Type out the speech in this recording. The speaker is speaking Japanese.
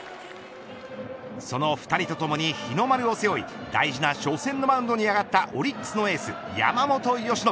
その２人とともに日の丸を背負い大事な初戦のマウンドに上がったオリックスのエース山本由伸。